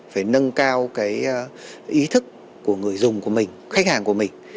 phải nâng cao cái ý thức của người dùng của mình khách hàng của mình